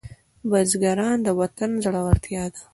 بزګر د وطن زړورتیا ده